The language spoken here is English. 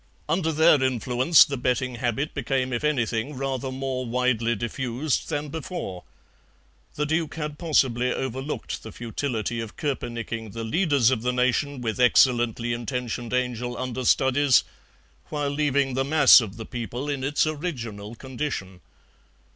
Under their influence the betting habit became if anything rather more widely diffused than before. The Duke had possibly overlooked the futility of koepenicking the leaders of the nation with excellently intentioned angel under studies, while leaving the mass of the people in its original condition.